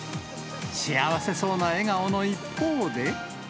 幸せそうな笑顔の一方で。